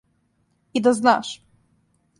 И да знаш!